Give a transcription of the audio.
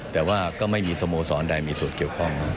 แต่ว่าก็ไม่มีสโมสรใดมีส่วนเกี่ยวข้อง